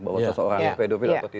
bahwa seseorang pedofil atau tidak